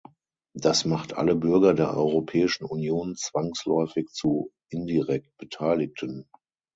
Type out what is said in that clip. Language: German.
Das macht alle Bürger der Europäischen Union zwangsläufig zu indirekt Beteiligten.